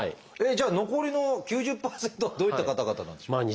じゃあ残りの９０％はどういった方々なんでしょう？